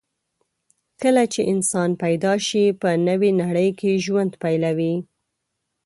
کله چې انسان پیدا شي، په نوې نړۍ کې ژوند پیلوي.